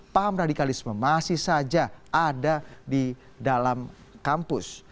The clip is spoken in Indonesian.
paham radikalisme masih saja ada di dalam kampus